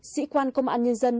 sĩ quan công an nhân dân